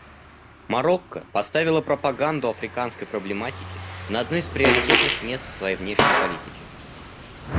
Марокко поставило пропаганду африканской проблематики на одно из приоритетных мест в своей внешней политике.